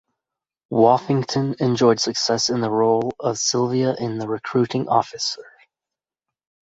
Woffington enjoyed success in the role of Sylvia in "The Recruiting Officer".